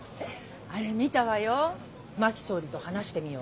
あれ見たわよ。